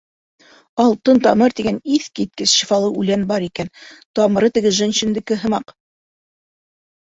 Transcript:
— Алтын тамыр тигән иҫ киткес шифалы үлән бар икән, тамыры теге женьшендеке һымаҡ.